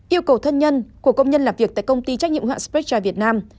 yêu cầu thân nhân của công nhân làm việc tại công ty trách nhiệm hoạn spectra việt nam